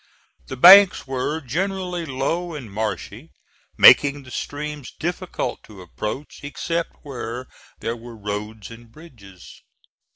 The banks were generally low and marshy, making the streams difficult to approach except where there were roads and bridges.